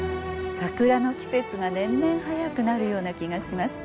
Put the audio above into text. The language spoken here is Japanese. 桜の季節が年々早くなるような気がします。